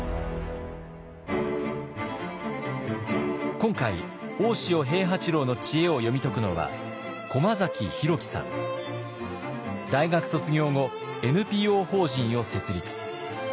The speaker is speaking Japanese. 今回大塩平八郎の知恵を読み解くのは大学卒業後ＮＰＯ法人を設立。